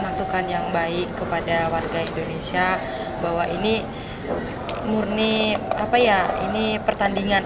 masukan yang baik kepada warga indonesia bahwa ini murni apa ya ini pertandingan